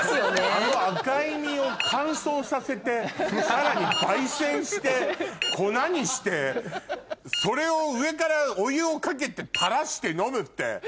あの赤い実を乾燥させてさらに焙煎して粉にしてそれを上からお湯をかけて垂らして飲むって。